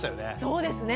そうですね。